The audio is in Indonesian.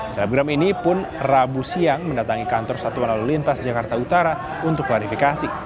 selebgram ini pun rabu siang mendatangi kantor satuan lalu lintas jakarta utara untuk klarifikasi